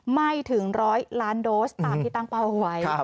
ไม่ถึง๑๐๐ล้านโดสตามที่ตั้งเป้าเอาไว้